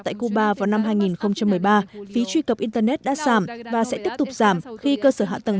tại cuba vào năm hai nghìn một mươi ba phí truy cập internet đã giảm và sẽ tiếp tục giảm khi cơ sở hạ tầng